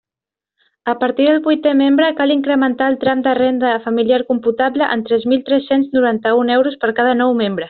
A partir del vuitè membre cal incrementar el tram de renda familiar computable en tres mil tres-cents noranta-un euros per cada nou membre.